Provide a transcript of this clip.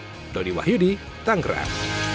pemain pemain terakhir fase grup terakhir